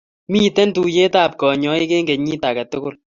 Miten tuyet ab kanyaiki en kenyit akketugul